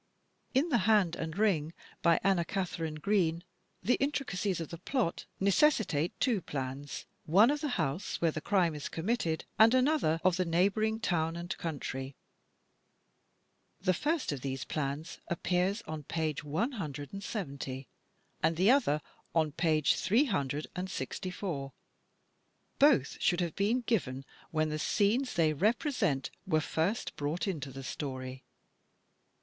In "Hand and Ring," by Anna Katharine Green, the intri cacies of the plot necessitate two plans; one of the house where the crime is committed, and another of the neighboring town and country. The first of these plans appears on page 170 and the other on page 364. Both should have been given when the scenes they represent were first brought into the story.